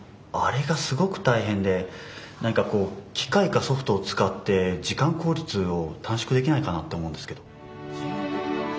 あれがすごく大変で何かこう機械かソフトを使って時間効率を短縮できないかなと思うんですけど。